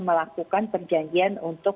melakukan perjanjian untuk